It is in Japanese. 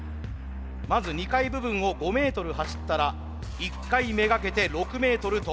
まず２階部分を５ｍ走ったら１階めがけて６ｍ飛び降ります。